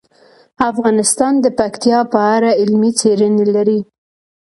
افغانستان د پکتیا په اړه علمي څېړنې لري.